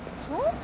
そう？